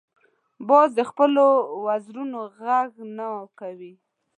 باز د خپلو وزرونو غږ نه کوي